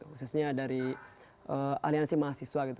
khususnya dari aliansi mahasiswa gitu